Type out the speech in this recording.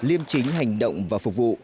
liêm chính hành động và phục vụ